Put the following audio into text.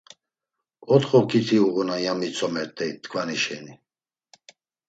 Otxo ǩiti uğunan, ya mitzomert̆ey t̆ǩvani şeni.